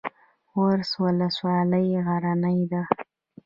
ورس ولسوالۍ غرنۍ ده؟